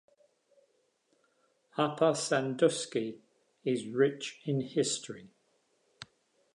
Upper Sandusky is rich in history.